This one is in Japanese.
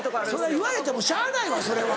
言われてもしゃあないわそれは。